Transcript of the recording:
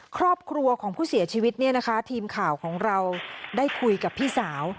ครอบครัวของผู้เสียชีวิตเนี่ยนะคะทีมข่าวของเราได้คุยกับพี่สาว